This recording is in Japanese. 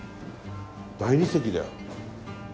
大理石だよ。